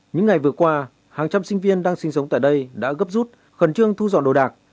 những ngày vừa qua hàng trăm sinh viên đang sinh sống tại đây đã gấp rút khẩn trương thu dọn đồ đạc